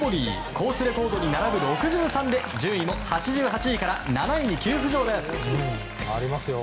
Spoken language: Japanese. コースレコードに並ぶ６３で順位も８８位から７位に急浮上です。